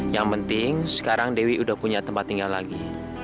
yang penting sekarang dewi sudah punya tempat tinggal lagi